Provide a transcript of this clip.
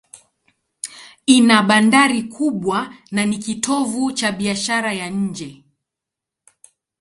Ina bandari kubwa na ni kitovu cha biashara ya nje.